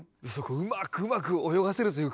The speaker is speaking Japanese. うまくうまく泳がせるというか。